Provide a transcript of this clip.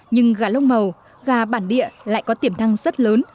nhưng gà lông màu gà bản địa lại có tiềm năng rất lớn